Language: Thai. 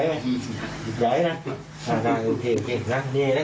รู้รีบไหม